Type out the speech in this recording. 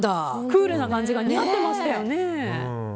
クールな感じが似合ってましたね。